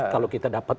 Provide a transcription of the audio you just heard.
kalau kita dapat